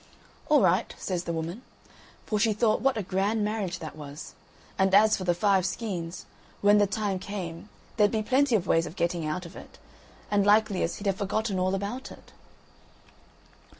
"All right," says the woman; for she thought what a grand marriage that was. And as for the five skeins, when the time came, there'd be plenty of ways of getting out of it, and likeliest, he'd have forgotten all about it.